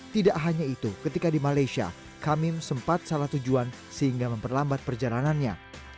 tidak hanya itu ketika di malaysia kamim sempat salah tujuan sehingga memperlambat perjalanannya